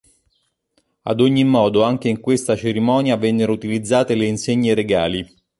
Ad ogni modo anche in questa cerimonia vennero utilizzate le insegne regali.